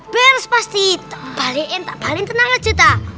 beres pasti balikin tenang aja